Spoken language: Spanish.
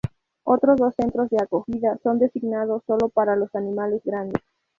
Otros dos centros de acogida son designados sólo para los animales grandes.